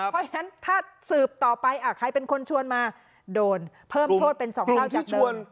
เพราะฉะนั้นถ้าสืบต่อไปใครเป็นคนชวนมาโดนเพิ่มโทษเป็น๒เท่าจากเดิม